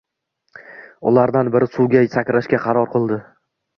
Ulardan biri suvga sakrashga qaror qildi